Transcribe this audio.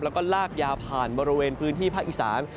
แล้วก็ลากยาวผ่านบริเวณพื้นที่ภาคอีสาน